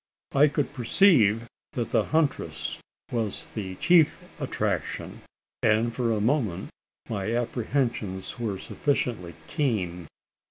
I could perceive that the huntress was the chief attraction; and for a moment my apprehensions were sufficiently keen.